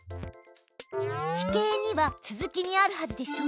地形２は続きにあるはずでしょ。